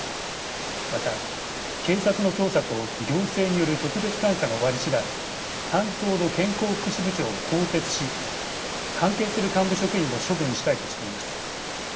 また、警察の捜査と行政による特別監査が終わり次第担当の健康福祉部長を更迭し関係する幹部職員も処分したいとしています。